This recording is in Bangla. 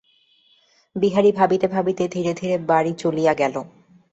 বিহারী ভাবিতে ভাবিতে ধীরে ধীরে বাড়ি চলিয়া গেল।